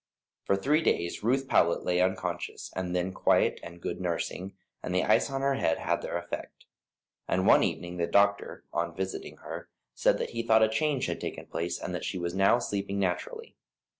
For three days Ruth Powlett lay unconscious, and then quiet and good nursing, and the ice on her head, had their effect; and one evening the doctor, on visiting her, said that he thought a change had taken place, and that she was now sleeping naturally.